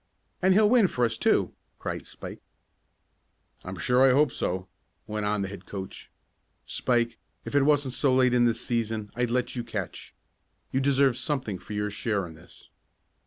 "And he'll win for us, too!" cried Spike. "I'm sure I hope so," went on the head coach. "Spike, if it wasn't so late in the season I'd let you catch. You deserve something for your share in this."